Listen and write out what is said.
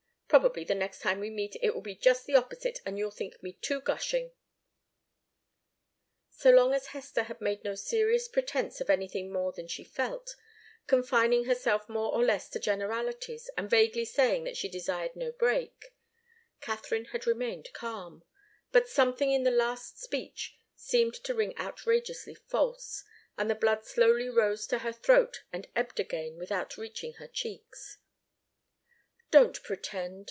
Probably the next time we meet it will be just the opposite, and you'll think me too gushing." So long as Hester had made no serious pretence of anything more than she felt, confining herself more or less to generalities and vaguely saying that she desired no break, Katharine had remained calm, but something in the last speech seemed to ring outrageously false, and the blood slowly rose to her throat and ebbed again without reaching her cheeks. "Don't pretend!"